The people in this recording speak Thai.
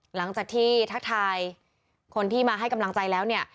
หลังจากที่ทักทายคนที่มาให้กำลังใจแล้วเนี่ย